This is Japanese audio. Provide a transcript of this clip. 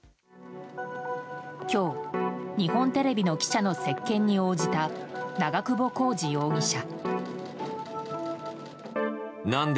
今日、日本テレビの記者の接見に応じた長久保浩二容疑者。